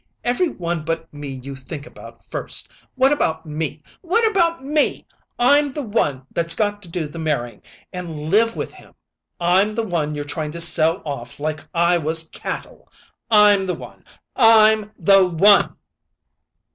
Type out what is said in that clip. Every one but me you think about first. What about me? What about me? I'm the one that's got to do the marrying and live with him. I'm the one you're trying to sell off like I was cattle. I'm the one! I'm the one!"